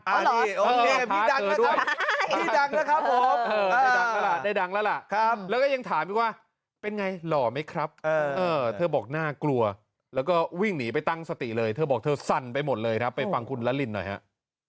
อันนี้พี่ดังนะครับแล้วก็ยังถามอีกว่าเป็นไงหล่อไหมครับเธอบอกน่ากลัวแล้วก็วิ่งหนีไปตั้งสติเลยเธอบอกเธอสั่นไปหมดเลยครับไปฟังคุณละลินหน่อยฮะ